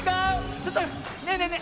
ちょっとねえねえねえ